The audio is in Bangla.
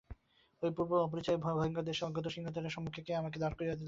ঐ অপূর্ব অপরিচিত ভয়ংকর দেশের অজ্ঞাত সিংহদ্বারের সম্মুখে কে আমাকে দাঁড় করাইয়া দিল?